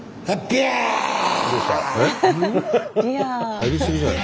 入り過ぎじゃない？